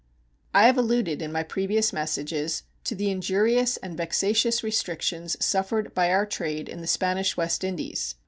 I have alluded in my previous messages to the injurious and vexatious restrictions suffered by our trade in the Spanish West Indies.